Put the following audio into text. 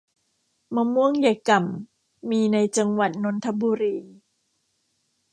มะม่วงยายก่ำ มีในจังหวัดนนทบุรี